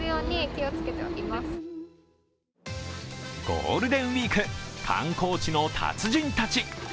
ゴールデンウイーク、観光地の達人たち。